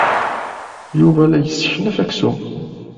Yuba la yesseknaf aksum.